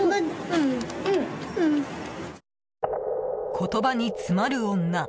言葉に詰まる女。